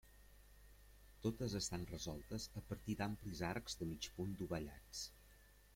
Totes estan resoltes a partir d'amplis arcs de mig punt dovellats.